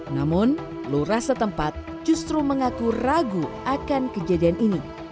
namun lurah setempat justru mengaku ragu akan kejadian ini